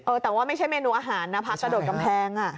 แต่ว่าไม่ใช่เมนูอาหารนะพักกระโดดกำแพง